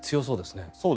そうですね。